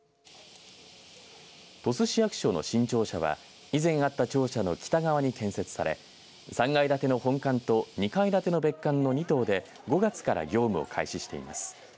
鳥栖市役所の新庁舎は以前あった庁舎の北側に建設され３階建ての本館と２階建ての別館の２棟で５月から業務を開始しています。